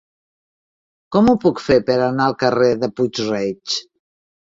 Com ho puc fer per anar al carrer de Puig-reig?